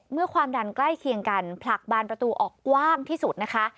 ความดันใกล้เคียงกันผลักบานประตูออกกว้างที่สุดนะคะ